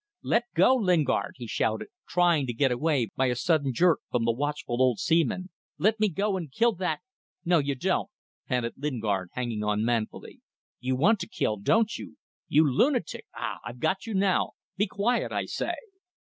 "Let go, Lingard!" he shouted, trying to get away by a sudden jerk from the watchful old seaman. "Let me go and kill that ..." "No you don't!" panted Lingard, hanging on manfully. "You want to kill, do you? You lunatic. Ah! I've got you now! Be quiet, I say!"